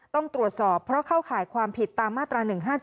ต้องตรวจสอบเพราะเข้าข่ายความผิดตามมาตรา๑๕๗